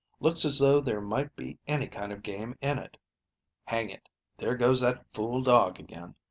Looks as though there might be any kind of game in it. Hang it, there goes that fool, dog again.